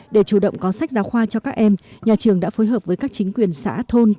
để chủ động có sách giáo khoa cho các em nhà trường đã phối hợp với các chính quyền xã thôn